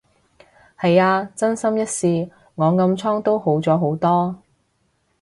係啊，真心一試，我暗瘡都好咗好多